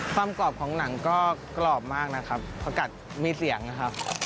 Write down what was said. กรอบของหนังก็กรอบมากนะครับผักกัดมีเสียงนะครับ